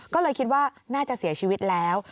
ก็เลยคิดว่าน่าจะเสียชีวิตแล้ว